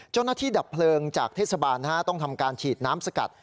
เจ้าหน้าที่ดับเพลิงจากเทศบาลต้องทำการฉีดน้ำสกัด